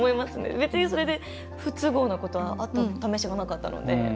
別にそれで不都合なことはあったためしはなかったので。